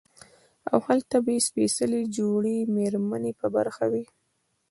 او هلته به ئې سپېڅلې جوړې ميرمنې په برخه وي